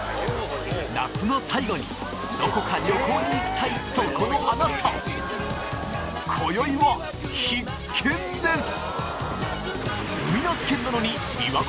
夏の最後にどこか旅行に行きたいそこのあなた今宵は必見です！